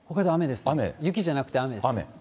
雪じゃなくて雨です。